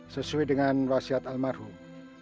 sesuai dengan wasiat almarhum